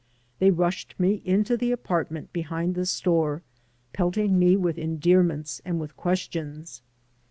They rushed me into the apartment behind the store, pelting me with endearments and with ques tions.